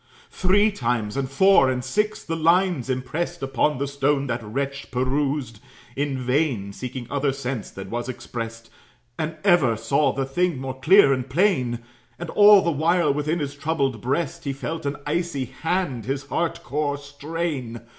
Three times, and four, and six, the lines impressed Upon the stone that wretch perused, in vain Seeking another sense than was expressed, And ever saw the thing more clear and plain; And all the while, within his troubled breast, He felt an icy hand his heart core strain.